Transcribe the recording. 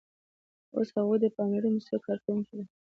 اوس هغوی د پاملرنې موسسې کارکوونکي وو